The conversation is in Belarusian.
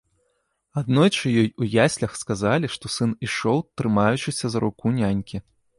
Аднойчы ёй у яслях сказалі, што сын ішоў, трымаючыся за руку нянькі.